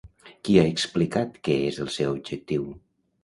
Quin ha explicat que és el seu objectiu?